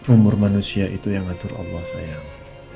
umur manusia itu yang ngatur allah sayang